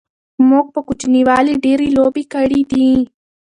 موږ په کوچنیوالی ډیری لوبی کړی دی